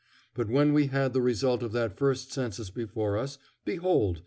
But when we had the result of that first census before us, behold!